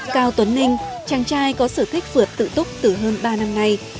cao tuấn ninh chàng trai có sở thích vượt tự túc từ hơn ba năm nay